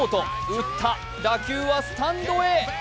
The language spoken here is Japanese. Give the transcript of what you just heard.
打った打球はスタンドへ。